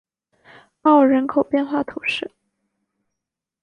奥尔人口变化图示